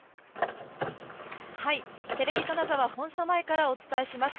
テレビ金沢本社前からお伝えします。